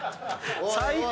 最高！